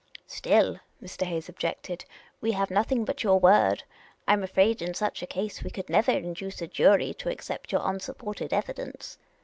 " Still," Mr. Hayes objected, " we have nothing but your word. I 'm afraid, in such a case, we could never induce a jury to accept your unsupported evidence."